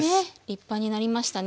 立派になりましたね。